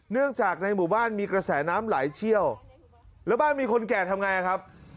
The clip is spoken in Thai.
เนื่องจากในหมู่บ้านมีกระแสน้ำไหลเชี่ยวแล้วบ้านมีคนแก่ทำไงครับ